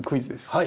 はい。